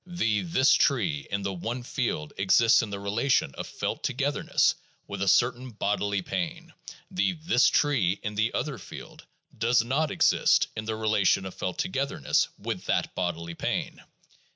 The "this tree" in the one field exists in the relation of felt togetherness with a certain bodily pain; the "this tree '' in the other field does not exist in the relation of felt together ness with that bodily pain.